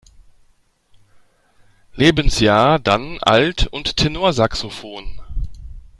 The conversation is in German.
Lebensjahr dann Alt- und Tenorsaxophon.